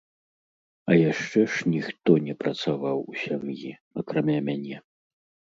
А яшчэ ж ніхто не працаваў у сям'і, акрамя мяне.